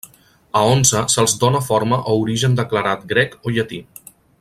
A onze se'ls dóna forma o origen declarat grec o llatí.